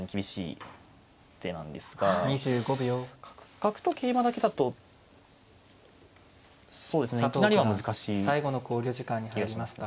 角と桂馬だけだとそうですねいきなりは難しい気がしますね。